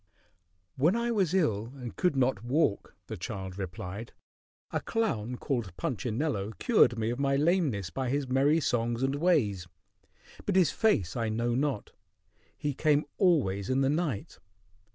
"When I was ill and could not walk," the child replied, "a clown called Punchinello cured me of my lameness by his merry songs and ways; but his face I know not. He came always in the night.